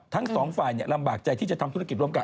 ทั้งสองฝ่ายลำบากใจที่จะทำธุรกิจร่วมกัน